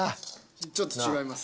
ちょっと違います。